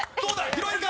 拾えるか？